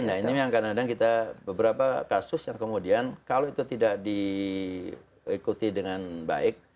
nah ini yang kadang kadang kita beberapa kasus yang kemudian kalau itu tidak diikuti dengan baik